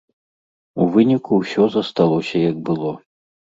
У выніку ўсё засталося як было.